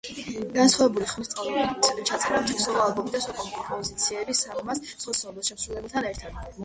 განსხვავებული ხმის წყალობით ჩაწერა ოთხი სოლო–ალბომი და სხვა კომპოზიციები სამბას სხვა ცნობილ შემსრულებლებთან ერთად.